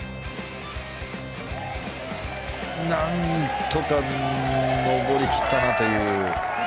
何とか上り切ったなという。